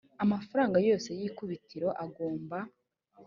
amafaranga yose y ikubitiro agomba